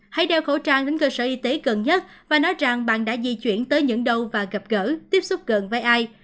hãy đeo khẩu trang đến cơ sở y tế gần nhất và nói rằng bạn đã di chuyển tới những đâu và gặp gỡ tiếp xúc gần với ai